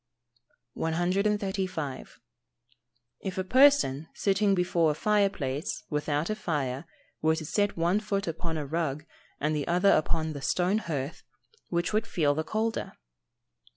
135. _If a person, sitting before a fire place, without a fire, were to set one foot upon a rug, and the other upon the stone hearth, which would feel the colder?